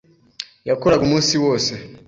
Yakoraga umunsi wose.